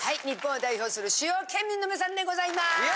日本を代表する主要県民の皆さんでございます。